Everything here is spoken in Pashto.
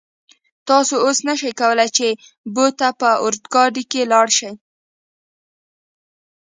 تاسو اوس نشئ کولای چې بو ته په اورګاډي کې لاړ شئ.